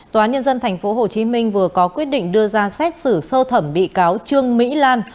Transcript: tòa nhân dân tp hcm vừa có quyết định đưa ra xét xử sơ thẩm bị cáo trương mỹ lan